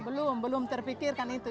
belum belum terpikirkan itu